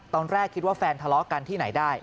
ตอนแรกคิดว่าแฟนทะเลาะกันที่ไหนได้